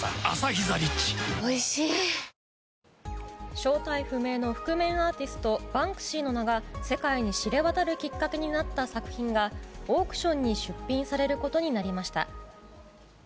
正体不明の覆面アーティストバンクシーの名が世界に知れ渡るきっかけになった作品がオークションに出品されることになりました。